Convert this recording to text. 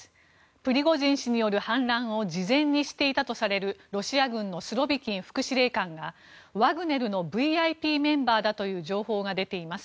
プリゴジン氏による反乱を事前に知っていたとされるロシア軍のスロビキン副司令官がワグネルのＶＩＰメンバーという情報が出ています。